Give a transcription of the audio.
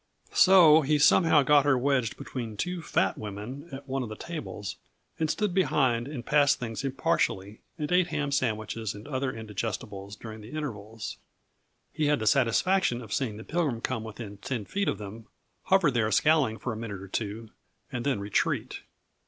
So he somehow got her wedged between two fat women at one of the tables, and stood behind and passed things impartially and ate ham sandwiches and other indigestibles during the intervals. He had the satisfaction of seeing the Pilgrim come within ten feet of them, hover there scowling for a minute or two and then retreat.